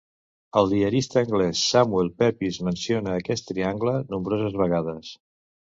El diarista anglès Samuel Pepys menciona aquest "tryangle" nombroses vegades.